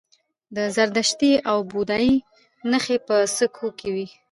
د زردشتي او بودايي نښې په سکو وې